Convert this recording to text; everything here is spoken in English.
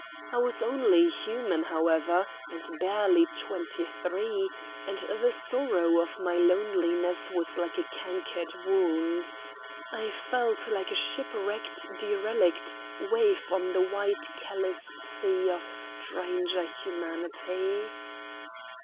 I was only human, however, and barely twenty three; and the sorrow of my loneliness was like a cankered wound. I felt like a shipwrecked derelict waif on the wide callous sea of stranger humanity.